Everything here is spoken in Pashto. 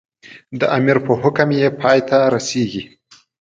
د امیر په حکم یې پای ته رسېږي.